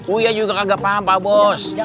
uya juga kagak paham pak bos